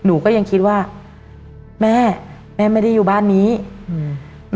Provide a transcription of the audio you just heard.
หนูก็ยังคิดว่าแม่แม่ไม่ได้อยู่บ้านนี้อืม